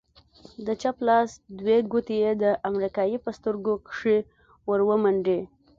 د چپ لاس دوې گوتې يې د امريکايي په سترگو کښې ورومنډې.